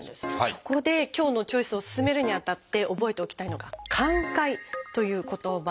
そこで今日の「チョイス」を進めるにあたって覚えておきたいのが「寛解」という言葉なんです。